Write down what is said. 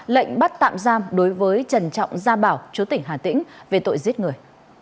lệnh bắt tạm giam đối với trần trọng gia bảo chú tỉnh hà tĩnh về tội giết người